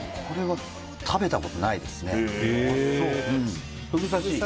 これは食べたことないですね